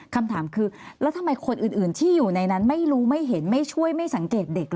คำถามคือแล้วทำไมคนอื่นที่อยู่ในนั้นไม่รู้ไม่เห็นไม่ช่วยไม่สังเกตเด็กเห